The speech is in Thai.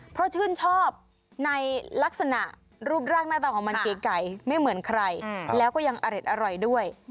เพราะชื่นชอบในลักษณะรูปร่างหน้าตาของมันเก๋ไม่เหมือนใครแล้วก็ยังอร็ดอร่อยด้วย